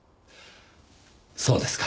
そうですか。